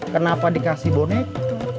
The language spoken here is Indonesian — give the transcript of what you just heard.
kenapa dikasih boneka